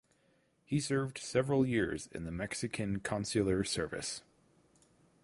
He served several years in the Mexican consular service.